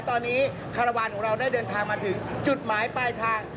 ตอนนี้คารวาลของเราได้เดินทางมาถึงจุดหมายปลายทาง